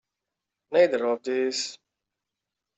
Neither of these.